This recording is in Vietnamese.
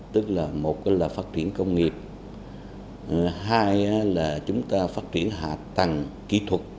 tức là một là phát triển công nghiệp hai là chúng ta phát triển hạ tầng kỹ thuật